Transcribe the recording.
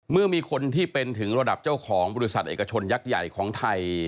เมื่อมีคนที่เป็นถึงระดับเจ้าของบริษัทเอกชนยักษ์ใหญ่ของไทย